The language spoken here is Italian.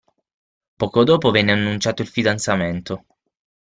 Poco dopo venne annunciato il fidanzamento.